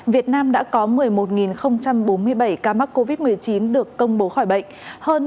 việt nam đã có một mươi một bốn mươi bảy ca mắc covid một mươi chín được công bố khỏi bệnh